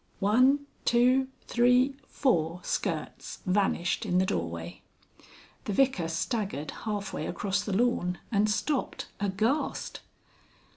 One, two, three, four skirts vanished in the doorway. The Vicar staggered half way across the lawn and stopped, aghast.